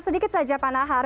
sedikit saja panahar